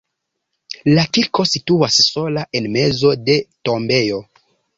La kirko situas sola en mezo de tombejo.